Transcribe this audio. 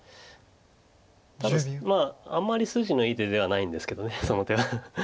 ただあんまり筋のいい手ではないんですけどその手は。